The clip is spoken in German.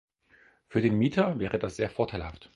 Für den Mieter wäre das sehr vorteilhaft.